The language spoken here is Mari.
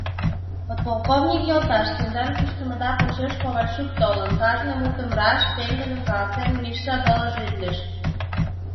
— Подполковник йолташ, тендан кӱштымыда почеш Ковальчук толын, — кажне мутым раш, пеҥгыдын каласен, Миша доложитлыш.